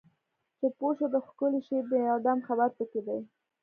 چې پوه شو د ښکلی شعر د اعدام خبر پکې دی